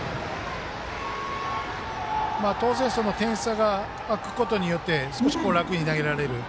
当然、点差が開くことによって少し楽に投げられる。